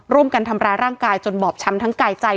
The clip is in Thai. ร่วมกันทำร้ายร่างกายจนบอบช้ำทั้งกายใจ